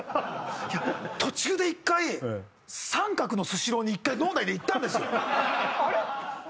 いや途中で一回三角のスシローに一回脳内でいったんですよあれ？